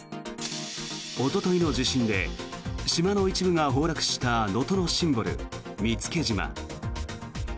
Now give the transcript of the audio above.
おとといの地震で島の一部が崩落した能登のシンボル、見附島。